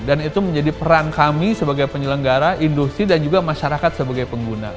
dan itu menjadi peran kami sebagai penyelenggara industri dan juga masyarakat sebagai pengguna